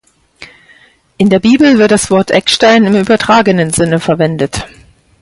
In der Bibel wird das Wort Eckstein im übertragenen Sinne verwendet.